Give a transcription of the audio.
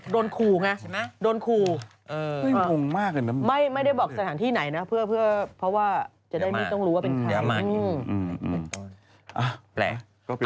โดนคู่ไงโดนคู่ไม่ได้บอกสถานที่ไหนนะเพื่อเพื่อเพราะว่าจะได้ไม่ต้องรู้ว่าเป็นใครอืมอืมอืม